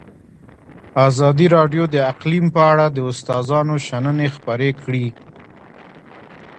ازادي راډیو د اقلیم په اړه د استادانو شننې خپرې کړي.